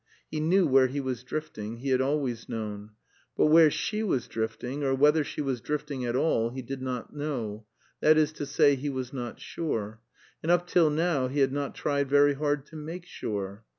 He knew where he was drifting; he had always known. But where she was drifting, or whether she was drifting at all, he did not know; that is to say, he was not sure. And up till now he had not tried very hard to make sure.